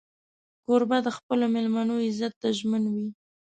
کوربه د خپلو مېلمنو عزت ته ژمن وي.